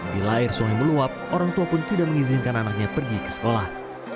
bila air sungai meluap orang tua pun tidak mengizinkan anaknya pergi ke sekolah